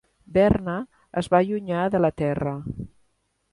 Verne es va allunyar de la terra.